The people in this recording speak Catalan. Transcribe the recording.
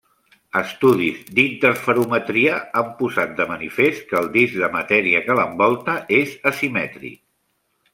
Estudis d'interferometria han posat de manifest que el disc de matèria que l'envolta és asimètric.